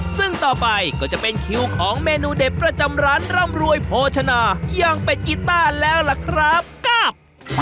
ซึ่งต่อไปก็จะเป็นคิวของเมนูเด็ดประจำร้านร่ำรวยโภชนาย่างเป็ดกีต้าแล้วล่ะครับกราบ